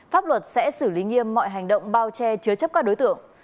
pháp luật sẽ xử lý nghiêm mọi hành động bao che chứa chấp các đối tượng